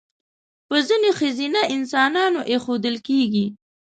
په ځینو ښځینه انسانانو اېښودل کېږي.